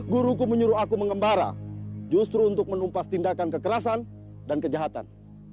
guruku menyuruh aku mengembara justru untuk menumpas tindakan kekerasan dan kejahatan